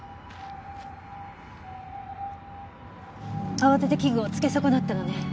慌てて器具をつけ損なったのね。